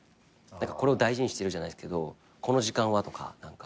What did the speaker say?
これを大事にしてるじゃないですけどこの時間はとか何か。